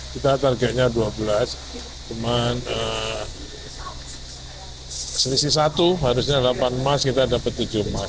kita targetnya dua belas cuman selisih satu harusnya delapan emas kita dapat tujuh emas